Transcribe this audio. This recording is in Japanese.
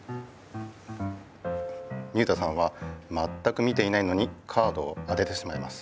水田さんはまったく見ていないのにカードを当ててしまいます。